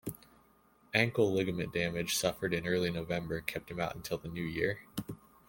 Ankle ligament damage suffered in early November kept him out until the new year.